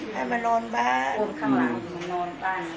ให้มานอนบ้าน